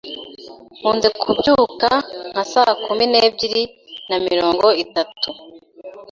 Nkunze kubyuka nka saa kumi n'ebyiri na mirongo itatu.